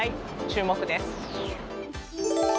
注目です。